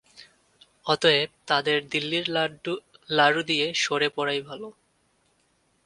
অতএব তাদের দিল্লীর লাড়ু দিয়ে সরে পড়াই ভাল।